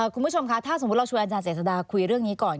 คุณผู้ชมคะถ้าสมมุติเราชวนอาจารย์เจษฎาคุยเรื่องนี้ก่อน